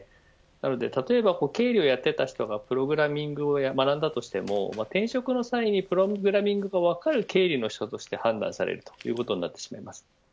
例えば、経理をやっていた人がプログラミングを学んだとしても転職の際にプログラミングが分かる経理の人として判断されるということになります。